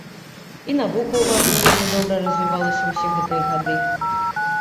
І навука ў вас не вельмі добра развівалася ўсе гэтыя гады.